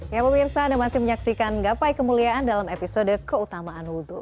ya pemirsa anda masih menyaksikan gapai kemuliaan dalam episode keutamaan wudhu